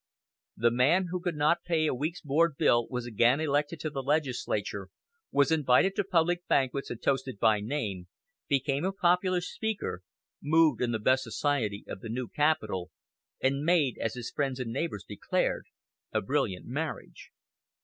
The man who could not pay a week's board bill was again elected to the legislature, was invited to public banquets and toasted by name, became a popular speaker, moved in the best society of the new capital, and made, as his friends and neighbors declared, a brilliant marriage.